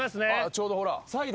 ちょうどほら。